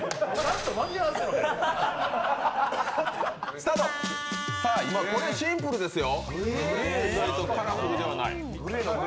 スタート、これシンプルですよ。